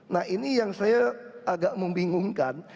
nah ini yang saya agak membingungkan